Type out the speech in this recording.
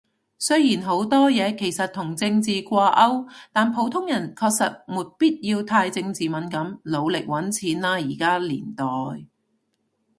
雖然好多嘢其實同政治掛鈎，但普通人確實沒必要太政治敏感。努力搵錢喇依家年代